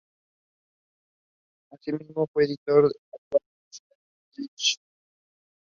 Asimismo fue editor del Anuario Schach-Taschen-Jahrbuches.